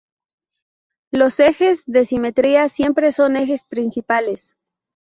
Los ejes de simetría siempre son ejes principales.